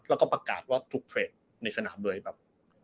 แล้วก็ปรากฏว่าในสนามเลยแบบ